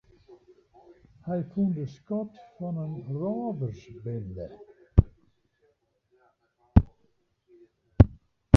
Hy fûn de skat fan in rôversbinde.